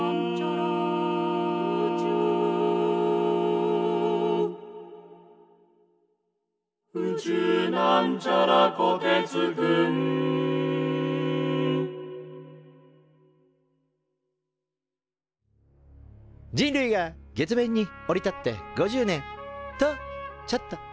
「宇宙」人類が月面に降り立って５０年！とちょっと。